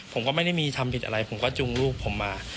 ผมก็ไม่ได้มีทำผิดอะไรผมก็จุงลูกผมมา